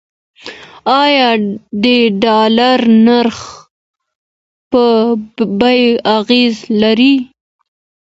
آیا د ډالر نرخ په بیو اغیز لري؟